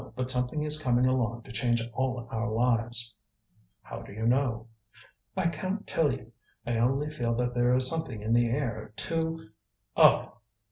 But something is coming along to change all our lives." "How do you know?" "I can't tell you. I only feel that there is something in the air to " "Oh!"